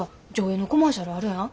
映のコマーシャルあるやん？